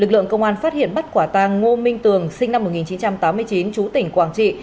lực lượng công an phát hiện bắt quả tàng ngô minh tường sinh năm một nghìn chín trăm tám mươi chín chú tỉnh quảng trị